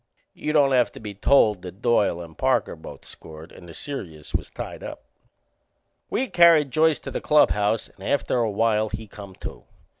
You don't have to be told that Doyle and Parker both scored and the serious was tied up. We carried Joyce to the clubhouse and after a while he come to.